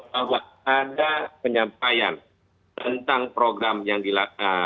bahwa ada penyampaian tentang program yang dilakukan